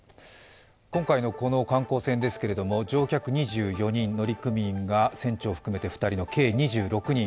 今回のこの観光船ですけれども、乗客２４人、乗組員が船長含めて計２６人。